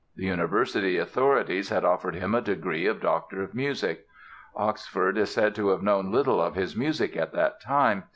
The University authorities had offered him a degree of Doctor of Music. Oxford is said to have known little of his music at that time.